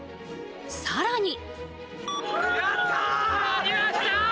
更に。